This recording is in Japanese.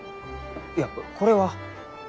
いやこれは。